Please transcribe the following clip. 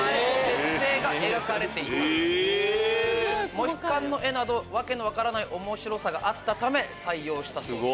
モヒカンの絵など訳の分からない面白さがあったため採用したそうです。